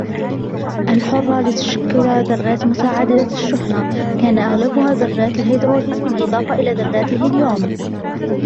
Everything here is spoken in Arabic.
الحرة لتشكل ذرات متعادلة الشحنة كان أغلبها ذرات الهيدروجين بالإضافة إلى ذرات الهيليوم